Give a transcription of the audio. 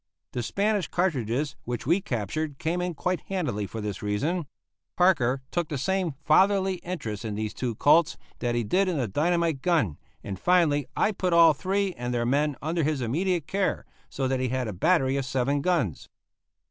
The Spanish cartridges which we captured came in quite handily for this reason. Parker took the same fatherly interest in these two Colts that he did in the dynamite gun, and finally I put all three and their men under his immediate care, so that he had a battery of seven guns.